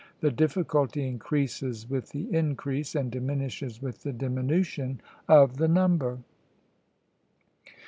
The difficulty increases with the increase, and diminishes with the diminution of the number.